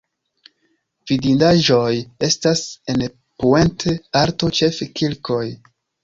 Vidindaĵoj estas en Puente Alto ĉefe kirkoj.